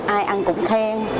ai ăn cũng khen